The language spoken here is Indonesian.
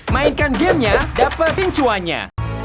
mainkan gamenya dapet pincuannya